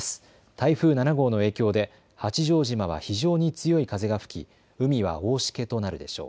台風７号の影響で八丈島は非常に強い風が吹き、海は大しけとなるでしょう。